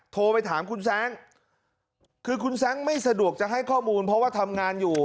โทรไปถามคุณแซ้งคือคุณแซ้งไม่สะดวกจะให้ข้อมูลเพราะว่าทำงานอยู่